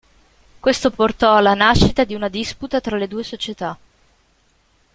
Questo portò alla nascita di una disputa tra le due società.